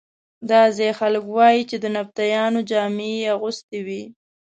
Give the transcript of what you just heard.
دا ځايي خلک وو چې د نبطیانو جامې یې اغوستې وې.